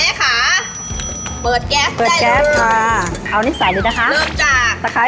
เอานี้ใสวีดนะคะ